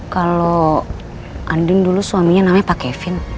kalau andin dulu suaminya namanya pak kevin